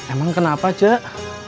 emang kenapa cik